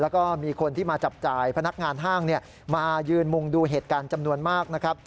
แล้วก็มีคนที่มาจับจ่ายพนักงานห้างมายืนมุงดูเหตุการณ์จำนวนมากนะครับ